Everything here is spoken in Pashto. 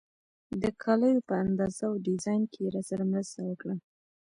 د کالیو په اندازه او ډیزاین کې یې راسره مرسته وکړه.